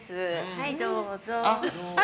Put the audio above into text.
はい、どうぞ。